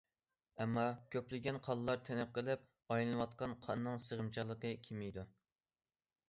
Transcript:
ئەمما كۆپلىگەن قانلار تىنىپ قېلىپ ئايلىنىۋاتقان قاننىڭ سىغىمچانلىقى كېمىيىدۇ.